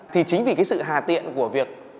thì chính vì cái sự hà tiện của việc